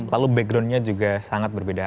lalu backgroundnya juga sangat berbeda